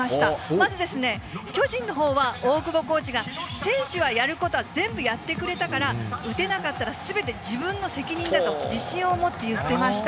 まずですね、巨人のほうは、おおくぼコーチが選手はやることは全部やってくれたから、打てなかったらすべて自分の責任だと、自信を持って言ってました。